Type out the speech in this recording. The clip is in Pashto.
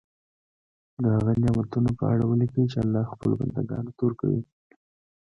د هغه نعمتونو په اړه ولیکي چې الله خپلو بندګانو ته ورکوي.